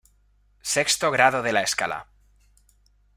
Sexto grado de la escala.